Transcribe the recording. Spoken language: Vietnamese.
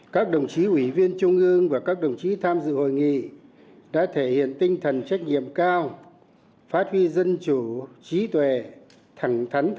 các đồng chí ủy viên trung ương và các đồng chí tham dự hội nghị đã thể hiện tinh thần trách nhiệm cao phát huy dân chủ trí tuệ thẳng thắn